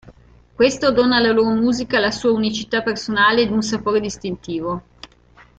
Questo dona alla loro musica la sua unicità personale ed un sapore distintivo.